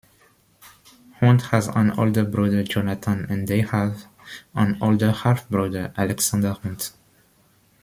Hunt has an older brother, Jonathan, and they have an older half-brother, Alexander Hunt.